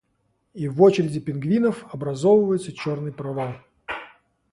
и в очереди пингвинов образовывается черный провал